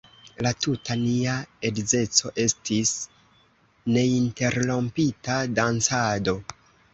La tuta nia edzeco estis neinterrompita dancado.